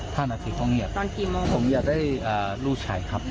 ห้านาทีต้องเหยียบตอนกี่โมงผมอยากได้อ่าลูกชายครับ